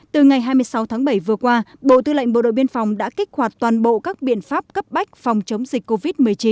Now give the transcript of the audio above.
từ ngày hai mươi sáu tháng bảy vừa qua bộ tư lệnh bộ đội biên phòng đã kích hoạt toàn bộ các biện pháp cấp bách phòng chống dịch covid một mươi chín